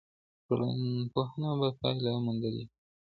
ټولنپوه به پايله موندلې وي.